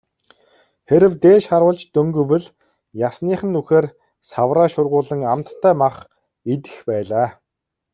Хэрэв дээш харуулж дөнгөвөл ясных нь нүхээр савраа шургуулан амттай мах идэх байлаа.